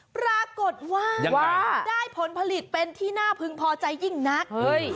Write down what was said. ปรากฏว่าได้ผลผลิตเป็นที่น่าพึงพอใจยิ่งนัก